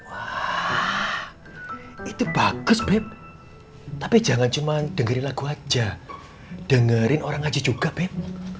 wah itu bagus bep tapi jangan cuma dengerin lagu aja dengerin orang aja juga bed